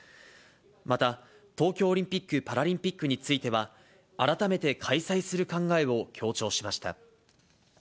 また、東京オリンピック・パラリンピックについては、改めて開催する考えを強調しました。